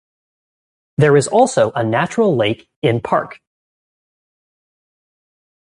There is also a natural lake in park.